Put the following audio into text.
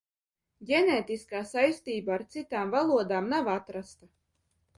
Ģenētiskā saistība ar citām valodām nav atrasta.